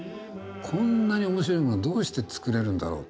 こんなに面白いものをどうして作れるんだろうと。